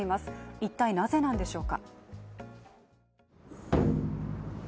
一体なぜなんでしょうか？